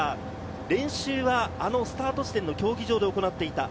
練習は、あのスタート地点の競技場で行っていた。